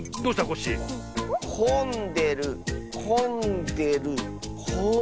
こんでるこんでるこん。